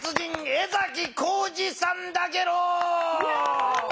江崎浩司さんだゲロー。